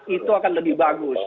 itu akan lebih bagus